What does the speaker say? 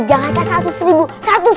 jangan kasih seratus ribu